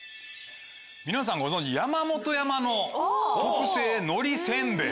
皆さんご存じ山本山の特製のりせんべい。